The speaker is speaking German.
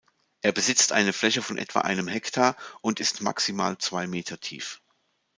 Er besitzt eine Fläche von etwa einem Hektar und ist maximal zwei Meter tief.